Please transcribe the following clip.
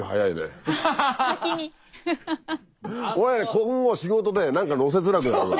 今後仕事で何かのせづらくなるわ。